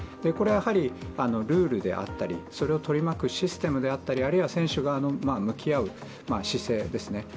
これはやはりルールであったり、それを取り巻くシステムであったり選手側の向き合う姿勢ですね